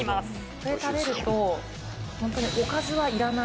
これ食べると、本当におかずはいらない。